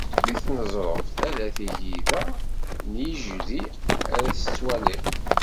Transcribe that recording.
Deg tneẓruft, ala tigida n yijdi ara tettwaliḍ.